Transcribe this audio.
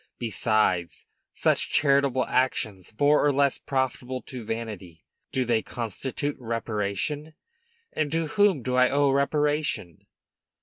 Besides, such charitable actions, more or less profitable to vanity, do they constitute reparation? and to whom do I owe reparation?